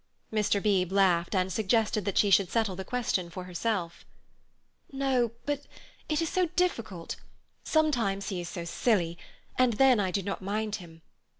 Beebe laughed and suggested that she should settle the question for herself. "No; but it is so difficult. Sometimes he is so silly, and then I do not mind him.